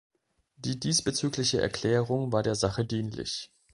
Die diesbezügliche Erklärung war der Sache dienlich.